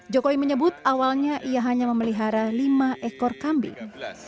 jokowi menyebut awalnya ia hanya memelihara lima ekor kambing